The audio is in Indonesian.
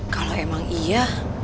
kalau emang iya